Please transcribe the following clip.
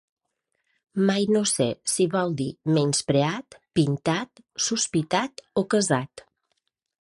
Mai no sé si vol dir menyspreat, pintat, sospitat o casat.